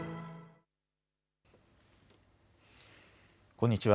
こんにちは。